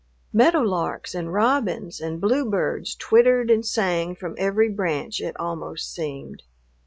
Meadowlarks and robins and bluebirds twittered and sang from every branch, it almost seemed.